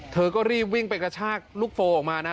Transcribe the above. เธอก็รีบวิ่งไปกระชากลูกโฟออกมานะ